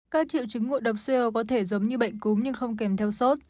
các triệu chứng ngộ độc co có thể giống như bệnh cúm nhưng không kèm theo sốt